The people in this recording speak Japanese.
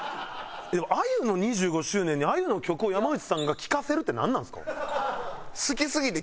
あゆの２５周年にあゆの曲を山内さんが聴かせるってなんなんですか？